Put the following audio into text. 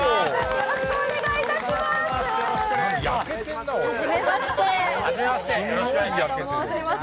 よろしくお願いします。